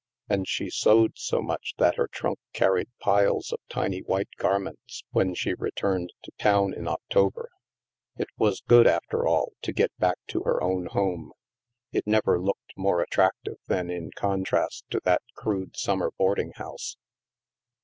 And she sewed so much that her trunk carried piles of tiny white garments when she re turned to town in October. It was good, after all, to get back to her own home. It never looked more attractive than in con trast to that crude summer boarding house.